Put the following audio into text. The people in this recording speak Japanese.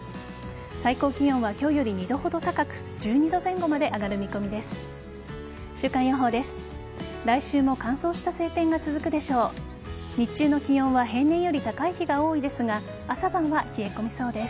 最高気温は今日より２度ほど高く１２度前後まで上がる見込みです。